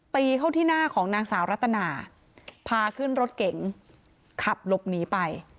ตีเข้าที่หน้าของนางสาวรัตนาพาขึ้นรถเก๋งขับหลบหนีไป